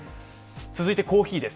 続いてコーヒーです